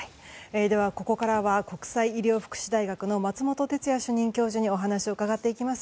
ここからは国際医療福祉大学の松本哲哉主任教授にお話を伺っていきます。